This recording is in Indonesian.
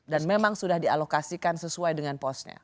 dan memang sudah dialokasikan sesuai dengan posnya